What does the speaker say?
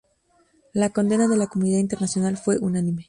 La condena de la comunidad internacional fue unánime.